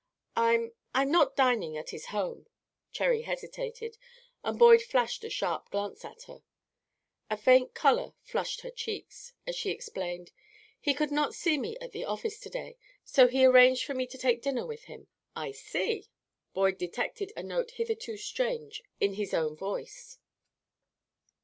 "I I'm not dining at his home." Cherry hesitated, and Boyd flashed a sharp glance at her. A faint color flushed her cheeks, as she explained: "He could not see me at the office to day, so he arranged for me to take dinner with him." "I see." Boyd detected a note hitherto strange in his own voice.